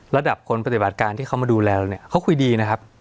ระดับคนปฏิบัติการที่เขามาดูแลเนี่ยเขาคุยดีนะครับ